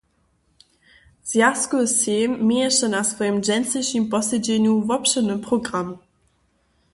Zwjazkowy sejm měješe na swojim dźensnišim posedźenju wobšěrny program.